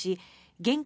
現金